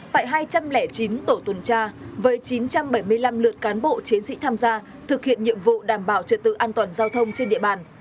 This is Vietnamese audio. tại hai trăm linh chín tổ tuần tra với chín trăm bảy mươi năm lượt cán bộ chiến sĩ tham gia thực hiện nhiệm vụ đảm bảo trợ tự an toàn giao thông trên địa bàn